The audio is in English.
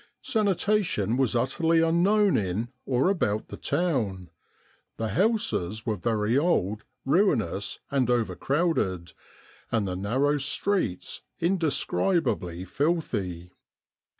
" Sanitation was utterly unknown in or about the town. The houses were very old, ruinous and over crowded, and the narrow streets indescribably filthy."